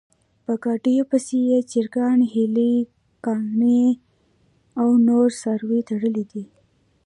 په ګاډیو پسې یې چرګان، هیلۍ ګانې او نور څاروي تړلي و.